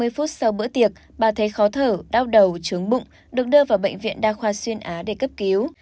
ba mươi phút sau bữa tiệc bà thấy khó thở đau đầu trướng bụng được đưa vào bệnh viện đa khoa xuyên á để cấp cứu